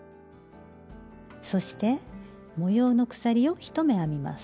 そして模様の鎖を１目編みます。